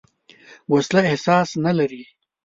وسله احساس نه لري